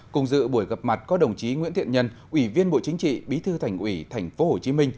cùng dự buổi gặp mặt có đồng chí nguyễn thiện nhân ủy viên bộ chính trị bí thư thành ủy tp hcm